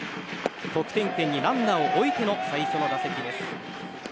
得点圏にランナーを置いての最初の打席です。